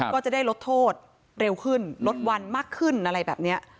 ก็จะได้ลดโทษเร็วขึ้นลดวันมากขึ้นอะไรแบบนี้